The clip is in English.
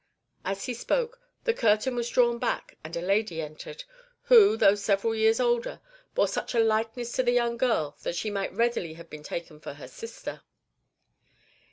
As he spoke, the curtain was drawn back, and a lady entered, who, though several years older, bore such a likeness to the young girl that she might readily have been taken for her sister.